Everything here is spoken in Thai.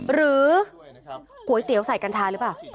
ก๋วยเตี๋ยวใส่กัญชาหรือเปล่า